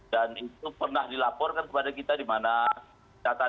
dan itu pernah dilaporkan kepada kita dimana data data anak kita itu sudah berada di media sosial